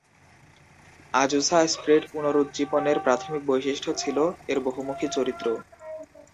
আজুসা Street পুনরুজ্জীবনের প্রাথমিক বৈশিষ্ট্য ছিল এর বহুমুখী চরিত্র।